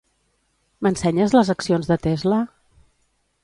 M'ensenyes les accions de Tesla?